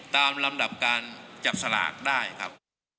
ตามลำดับการจับสลากได้ครับ